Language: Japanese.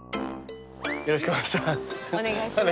よろしくお願いします。